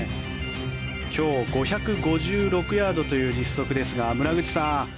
今日５５６ヤードという実測ですが村口さん